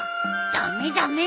駄目駄目！